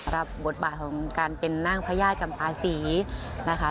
รับบทบาทของการเป็นนั่งพญาติจำปาศีนะคะ